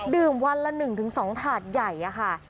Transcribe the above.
ดื่มวันละ๑๒ถาดใหญ่ค่ะ